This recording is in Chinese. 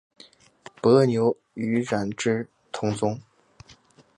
伯牛与冉雍同宗。